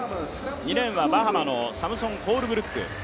２レーンはバハマのサムソン・コールブルック。